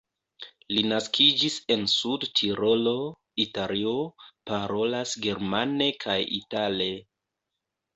Li naskiĝis en Sud-Tirolo, Italio, parolas germane kaj itale.